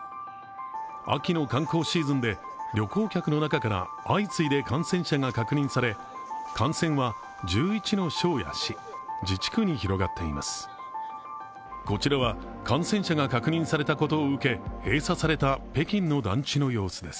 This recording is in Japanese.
秋の観光シーズンで旅行客の中から相次いで感染者が確認され、感染は１１の省や市、自治区に広がっています。